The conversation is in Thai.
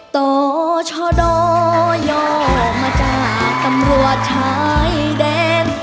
ต่อชดอย่อมาจากตำรวจชายแดน